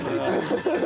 ハハハハ！